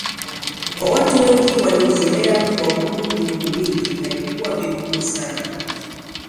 Kwa watu wengi waliozoea kuabudu miungu mingi haikuwa vigumu sana